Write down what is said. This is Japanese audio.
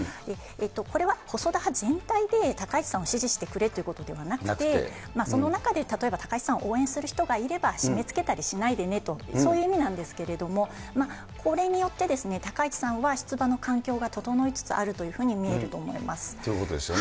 これは細田派全体で高市さんを支持してくれということではなくて、その中で例えば、高市さんを応援する人がいれば、締め付けたりしないでねと、そういう意味なんですけれども、これによって高市さんは出馬の環境が整いつつあるというふうに見ということですよね。